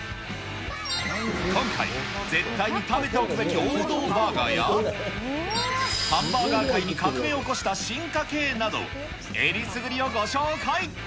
今回、絶対に食べておくべき王道バーガーや、ハンバーガー界に革命を起こした進化系など、うお！